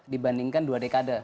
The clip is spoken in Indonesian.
dibandingkan dua dekade